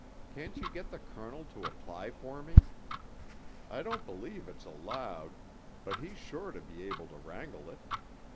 Can't you get the Colonel to apply for me? I don't believe it's allowed, but he's sure to be able to wangle it.